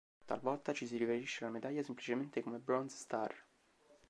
Talvolta, ci si riferisce alla medaglia semplicemente come Bronze Star.